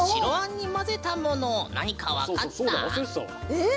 えっ？